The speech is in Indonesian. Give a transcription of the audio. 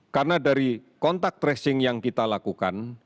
karena dari kontak tracing yang kita lakukan